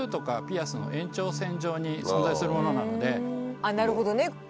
あっなるほどね。